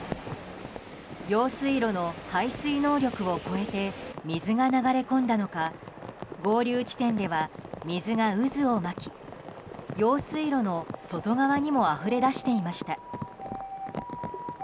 用水路の排水能力を超えて水が流れ込んだのか合流地点では水が渦を巻き用水路の外側にもあふれ出していました。